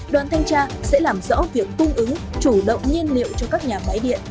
đoàn thanh tra sẽ làm rõ việc cung ứng chủ động nhiên liệu cho các nhà máy điện